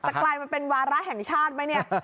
แต่กลายมาเป็นวาระแห่งชาติไหมเนี่ย